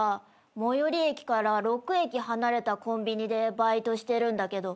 最寄り駅から６駅離れたコンビニでバイトしてるんだけど